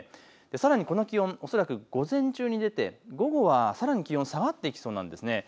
さらにこの気温、恐らく午前中に出て午後はさらに気温が下がってきそうなんです。